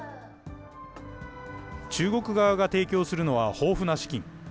中国側が提供するのは豊富な資金。